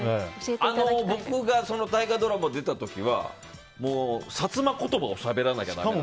僕が大河ドラマ出た時は薩摩言葉をしゃべらなきゃだめで。